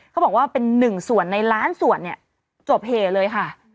เขาบอกว่าเป็นหนึ่งส่วนในล้านส่วนเนี่ยจบเหเลยค่ะ